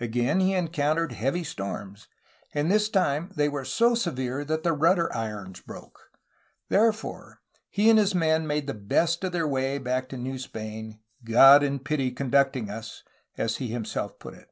Again he encountered heavy storms, and this time they were so severe that the rudder irons broke. Therefore he and his men made the best of their way back to New Spain, "God in pity conducting us,'^ as he himself put it.